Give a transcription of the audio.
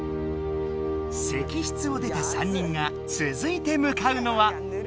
石室を出た３人がつづいてむかうのは。